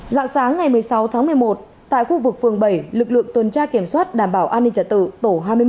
dạng sáng ngày một mươi sáu tháng một mươi một tại khu vực phường bảy lực lượng tuần tra kiểm soát đảm bảo an ninh trả tự tổ hai mươi một